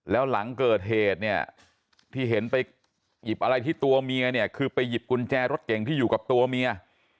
แล้วหลังเกิดเหตุเนี่ยที่เห็นไปหยิบอะไรที่ตัวเมียเนี่ยคือไปหยิบกุญแจรถเก่งที่อยู่กับตัวเมีย